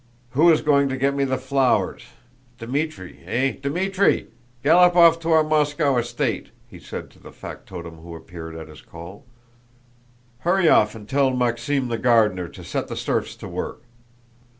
"Who is going to get me the flowers? Dmítri! Eh, Dmítri! Gallop off to our Moscow estate," he said to the factotum who appeared at his call. "Hurry off and tell Maksím, the gardener, to set the serfs to work.